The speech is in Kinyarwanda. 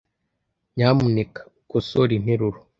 Nyamuneka ukosore interuro.